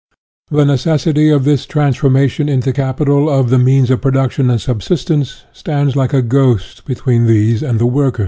The necessity of this transformation into capital of the means of production and subsistence stands like a ghost between these and the workers.